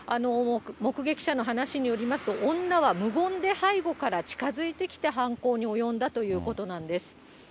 目撃者の話によりますと、女は無言で背後から近づいてきて、犯行に及んだということなんです。